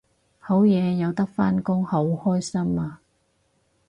好嘢有得返工好開心啊！